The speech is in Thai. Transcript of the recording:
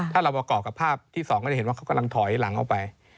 ถ้าเราประกอบกับภาพที่๒ก็จะเห็นว่าเขากำลังถอยหลังออกไป